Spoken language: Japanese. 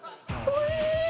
おいしい！